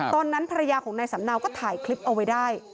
ตอนนั้นภรรยาของนายสำเนาก็ถ่ายคลิปเอาไว้ได้